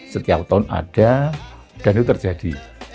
setiap tahun ada dan itu terjadi